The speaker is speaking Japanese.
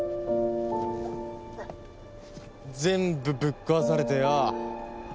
全部ぶっ壊されてよ。